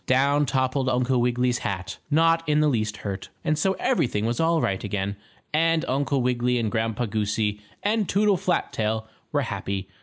Down toppled Uncle Wiggily's hat, not in the least hurt, and so everything was all right again, and Uncle Wiggily and Grandpa Goosey and Toodle Flat tail were happy.